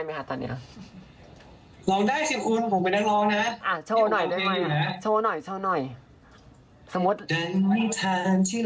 เอาจริงร้องเพลงได้ไหมคะตอนนี้